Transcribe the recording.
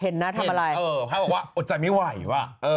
ทนไม่ไหวอดใจไม่ไหว